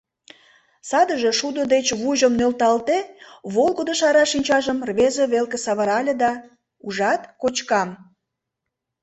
Садыже шудо деч вуйжым нӧлталде, волгыдо шара шинчажым рвезе велке савырале да: «Ужат, кочкам...